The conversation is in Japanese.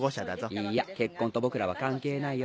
いいや結婚と僕らは関係ないよ。